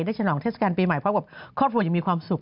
ได้ฉนองเทสแกนปีใหม่เพราะว่าครอบครัวจะมีความสุข